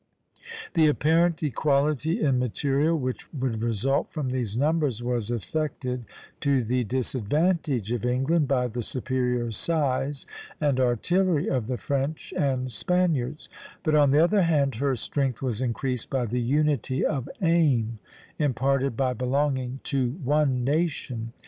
The apparent equality in material which would result from these numbers was affected, to the disadvantage of England, by the superior size and artillery of the French and Spaniards; but on the other hand her strength was increased by the unity of aim imparted by belonging to one nation.